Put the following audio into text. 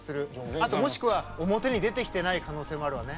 あと、もしくは表に出てきてない可能性があるわね。